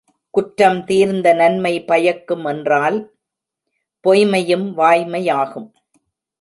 குற்றம் தீர்ந்த நன்மை பயக்கும் என்றால் பொய்ம்மையும் வாய்மையாகும்.